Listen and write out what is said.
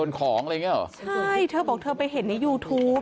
ใช่เธอบอกไปเห็นในยูทูป